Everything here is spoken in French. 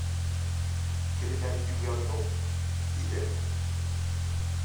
Quel est l’avis du Gouvernement ? Idem.